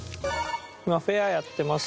今フェアやってます。